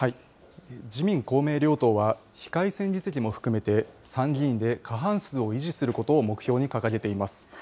自民、公明両党は非改選議席も含めて、参議院で過半数を維持することを目標に掲げています。